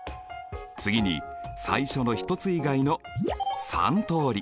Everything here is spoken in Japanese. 次に最初の１つ以外の３通り。